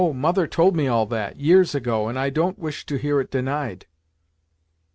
Mother told me all that, years ago, and I don't wish to hear it denied."